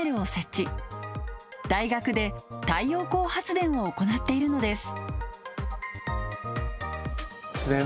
大学で太陽光発電を行っているのです